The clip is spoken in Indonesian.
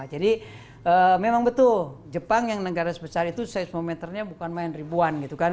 jadi memang betul jepang yang negara sebesar itu seismometernya bukan main ribuan gitu kan